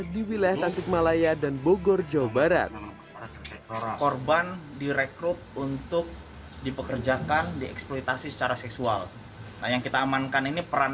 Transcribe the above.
di wilayah tasik malaya dan bogor